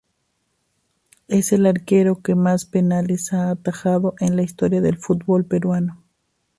Es el arquero que más penales ha atajado en la historia del fútbol peruano.